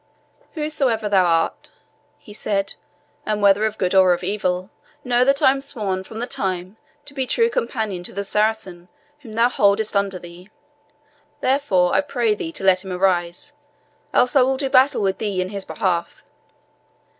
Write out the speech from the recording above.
"Whosoe'er thou art," he said, "and whether of good or of evil, know that I am sworn for the time to be true companion to the Saracen whom thou holdest under thee; therefore, I pray thee to let him arise, else I will do battle with thee in his behalf."